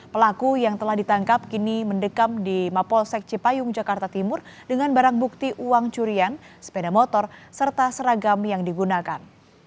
pelaku yang telah ditangkap kini mendekam di mapolsek cipayung jakarta timur dengan barang bukti uang curian sepeda motor serta seragam yang digunakan